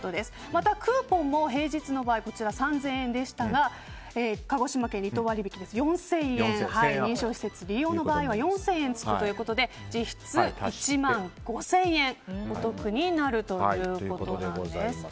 また、クーポンも平日の場合３０００円でしたが鹿児島県離島割引ですと認証施設利用の場合は４０００円つくということで実質１万５０００円お得になるということです。